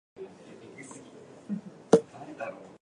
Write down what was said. Kuɗel kuɗel nyiɓata suudu.